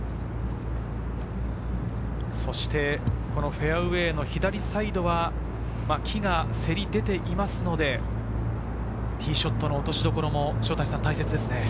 そしてフェアウエーの左サイドは木がせり出ていますので、ティーショットの落としどころも大切ですね。